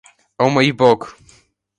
О мой бог!